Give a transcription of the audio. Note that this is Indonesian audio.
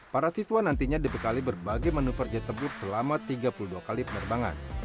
para siswa nantinya dibekali berbagai manuver getebook selama tiga puluh dua kali penerbangan